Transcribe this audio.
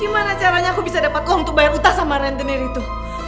gimana caranya aku bisa dapat uang untuk bayar utang sama rentenir itu